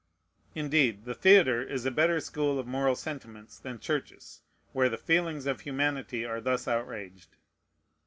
Indeed, the theatre is a better school of moral sentiments than churches where the feelings of humanity are thus outraged.